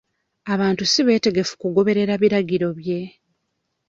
Abantu si beetegefu kugoberera biragiro bye.